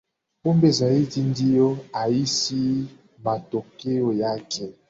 pombe zaidi ndio ahisi matokeo yake